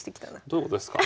どういうことですか？